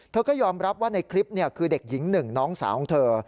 เธอก็ยอมรับว่าในคลิปคือเด็กหญิงหนึ่งน้องสาวของเธอ